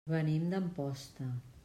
Venim d'Amposta.